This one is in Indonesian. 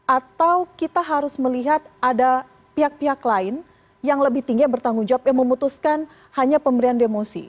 atau kita harus melihat ada pihak pihak lain yang lebih tinggi bertanggung jawab yang memutuskan hanya pemberian demosi